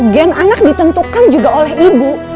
gen anak ditentukan juga oleh ibu